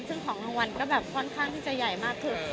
ซึ่งของรางวัลก็ค่อนข้างจะใหญ่มาก